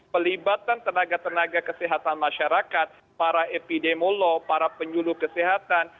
pelibatan tenaga tenaga kesehatan masyarakat para epidemiolog para penyuluh kesehatan